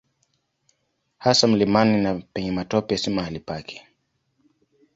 Hasa mlimani na penye matope si mahali pake.